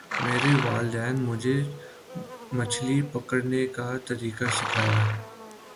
میرے والد نے مجھے مچھلی پکڑنے کا طریقہ سکھایا۔